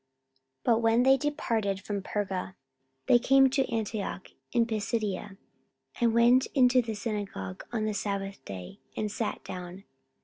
44:013:014 But when they departed from Perga, they came to Antioch in Pisidia, and went into the synagogue on the sabbath day, and sat down.